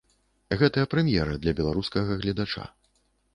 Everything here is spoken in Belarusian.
Гэта прэм'ера для беларускага гледача.